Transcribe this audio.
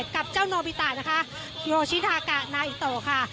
กับเจ้าโนบิตะนะคะโยชิทากะนาอิโตค่ะ